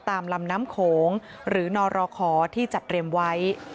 ตามลำน้ำโขงหรือนรขอที่จัดเตรียมไว้